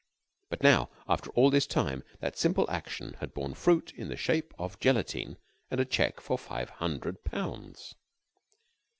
And now, after all this time, that simple action had borne fruit in the shape of Gelatine and a check for five hundred pounds.